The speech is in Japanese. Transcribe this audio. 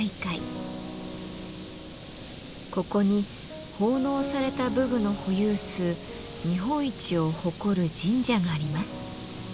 ここに奉納された武具の保有数日本一を誇る神社があります。